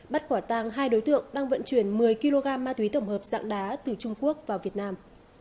bắt quả tàng hai đối tượng đang vận chuyển một mươi kg ma túy tổng hợp dạng đá từ trung quốc vào việt nam